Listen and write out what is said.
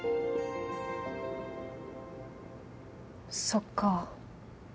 そっか。